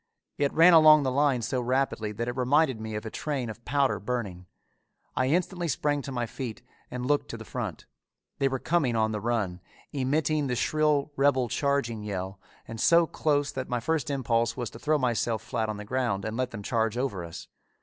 It ran along the line so rapidly that it reminded me of a train of powder burning. I instantly sprang to my feet and looked to the front. They were coming on the run, emitting the shrill rebel charging yell, and so close that my first impulse was to throw myself flat on the ground and let them charge over us.